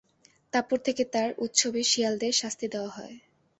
তারপর থেকে, তার উৎসবে শিয়ালদের শাস্তি দেওয়া হয়।